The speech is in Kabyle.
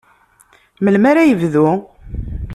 Melmi ara yebdu?